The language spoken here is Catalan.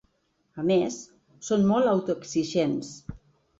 A més, som molt autoexigents.